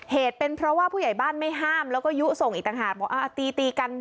เหตุเป็นเพราะว่าผู้ใหญ่บ้านไม่ห้ามแล้วก็ยุส่งอีกต่างหากบอกตีตีกัน